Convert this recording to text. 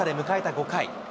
５回。